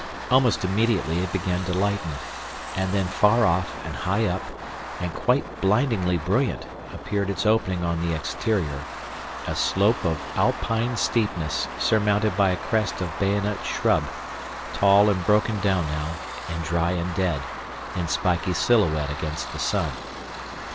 Almost immediately it began to lighten, and then far off and high up, and quite blindingly brilliant, appeared its opening on the exterior, a slope of Alpine steepness surmounted by a crest of bayonet shrub, tall and broken down now, and dry and dead, in spiky silhouette against the sun.